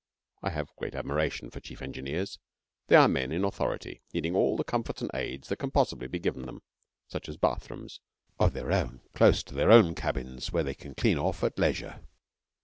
I have a great admiration for Chief Engineers. They are men in authority, needing all the comforts and aids that can possibly be given them such as bathrooms of their own close to their own cabins, where they can clean off at leisure.